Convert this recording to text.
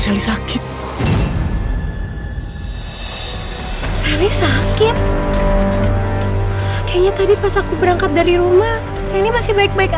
sally sakit sally sakit kayaknya tadi pas aku berangkat dari rumah saya ini masih baik baik